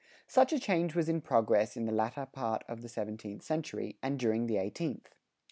Such a change was in progress in the latter part of the seventeenth century and during the eighteenth.